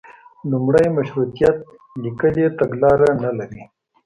لومړی مشروطیت لیکلي تګلاره نه لري.